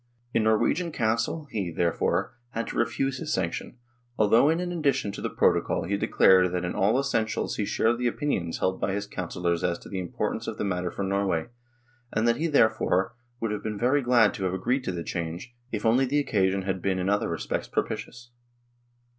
In Norwegian Council he, therefore, had to refuse his sanction, although in an addition to the protocol he declared that in all essentials he shared the opinions held by his councillors as to the importance of the matter for Norway, and that he, therefore, would have been very glad to have agreed to the change, if only the occasion had been in other respects propitious.